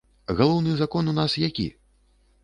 Галоўны закон у нас які?